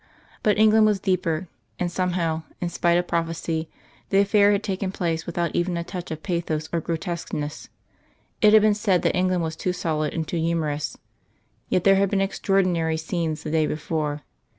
But England was deeper; and, somehow, in spite of prophecy, the affair had taken place without even a touch of bathos or grotesqueness. It had been said that England was too solid and too humorous. Yet there had been extraordinary scenes the day before.